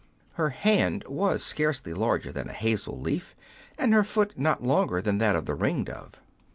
Her hand was scarce larger than a hazel leaf, and her foot not longer than that of the ringdove.